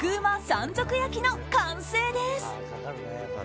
山賊焼きの完成です。